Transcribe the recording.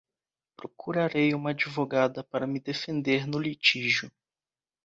Procurarei uma advogada para me defender no litígio